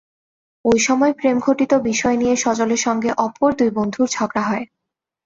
ওই সময় প্রেমঘটিত বিষয় নিয়ে সজলের সঙ্গে অপর দুই বন্ধুর ঝগড়া হয়।